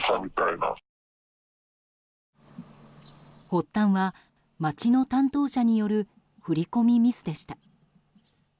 発端は町の担当者による振り込みミスでした。